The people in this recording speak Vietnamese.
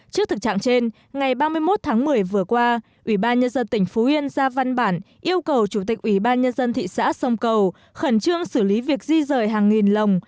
trước thực trạng trên ngày ba mươi một tháng một mươi vừa qua ubnd tỉnh phú yên ra văn bản yêu cầu chủ tịch ubnd thị xã sông cầu khẩn trương xử lý việc di rời hàng nghìn lồng